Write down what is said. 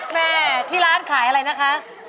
แม่ที่ร้านขายอะไรนะคะ